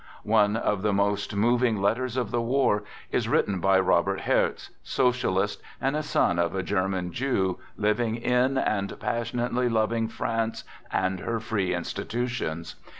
One of the most moving letters of the war is writ ten by Robert Hertz, socialist and son of a German Jew, living in and passionately loving France and her free institutions.